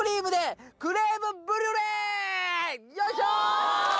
よいしょー！